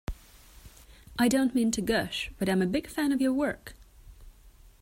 I don't mean to gush, but I'm a big fan of your work.